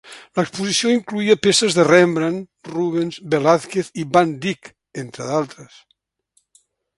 L'exposició incloïa peces de Rembrandt, Rubens, Velázquez i Van Dyck, entre d'altres.